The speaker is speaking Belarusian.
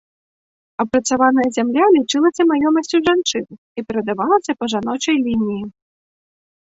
Апрацаваная зямля лічылася маёмасцю жанчын і перадавалася па жаночай лініі.